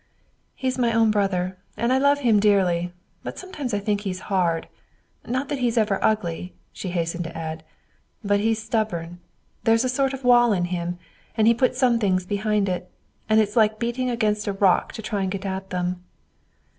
"He's my own brother, and I love him dearly. But sometimes I think he's hard. Not that he's ever ugly," she hastened to add; "but he's stubborn. There's a sort of wall in him, and he puts some things behind it. And it's like beating against a rock to try to get at them."